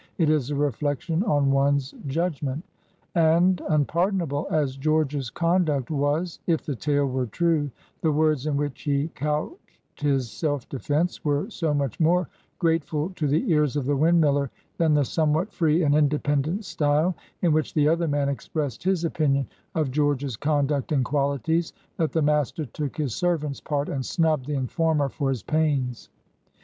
It is a reflection on one's judgment. And unpardonable as George's conduct was, if the tale were true, the words in which he couched his self defence were so much more grateful to the ears of the windmiller than the somewhat free and independent style in which the other man expressed his opinion of George's conduct and qualities, that the master took his servant's part, and snubbed the informer for his pains.